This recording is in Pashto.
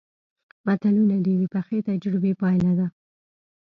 متلونه د یوې پخې تجربې پایله ده